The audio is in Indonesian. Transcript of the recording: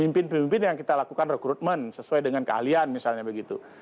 pemimpin pemimpin yang kita lakukan rekrutmen sesuai dengan keahlian misalnya begitu